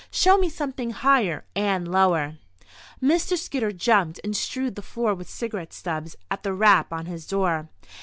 Show me something higher and lower." Mr. Skidder jumped and strewed the floor with cigarette stubs at the rap on his door.